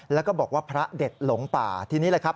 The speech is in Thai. แล้วก็บอกว่าพระเด็ดหลงป่าทีนี้แหละครับ